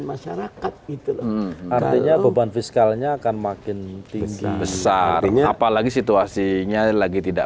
masyarakat itu artinya beban fiskalnya akan makin tinggi besar apalagi situasinya lagi tidak